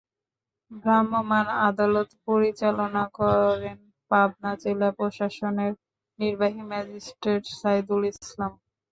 ভ্রাম্যমাণ আদালত পরিচালনা করেন পাবনা জেলা প্রশাসনের নির্বাহী ম্যাজিস্ট্রেট সাইদুল ইসলাম।